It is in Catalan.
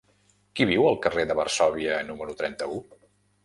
Qui viu al carrer de Varsòvia número trenta-u?